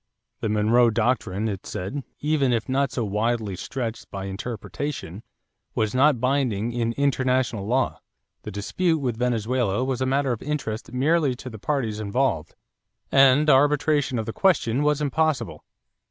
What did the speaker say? The Monroe Doctrine, it said, even if not so widely stretched by interpretation, was not binding in international law; the dispute with Venezuela was a matter of interest merely to the parties involved; and arbitration of the question was impossible.